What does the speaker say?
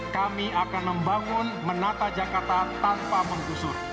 kami akan membangun menata jakarta tanpa menggusur